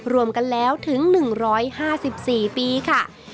รวมกันแล้วถึง๑๕๔ปีค่ะ